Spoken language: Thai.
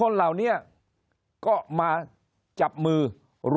คนในวงการสื่อ๓๐องค์กร